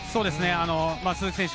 鈴木選手